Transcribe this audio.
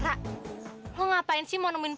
tembukin aja terus tembukin